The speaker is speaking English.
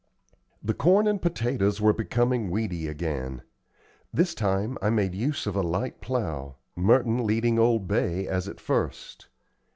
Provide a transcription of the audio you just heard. The corn and potatoes were becoming weedy again. This time I made use of a light plow, Merton leading old Bay as at first.